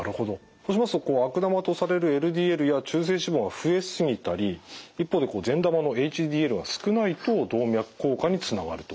そうしますと悪玉とされるＬＤＬや中性脂肪が増え過ぎたり一方で善玉のＨＤＬが少ないと動脈硬化につながると。